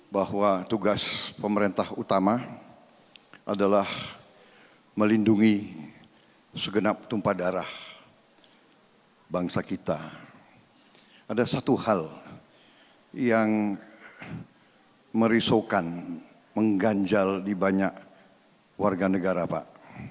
bangsa kita ada satu hal yang merisaukan mengganjal di banyak warga negara pak